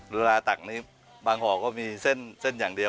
ตักนี้บางห่อก็มีเส้นอย่างเดียว